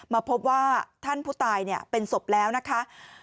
มาพบว่าท่านผู้ตายเป็นศพแล้วนะคะ